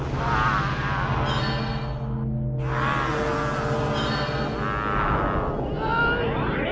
keluar jadi pegar ruangan